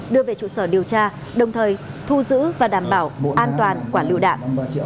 đưa về trụ sở điều tra đồng thời thu giữ và đảm bảo an toàn quả lựu đạn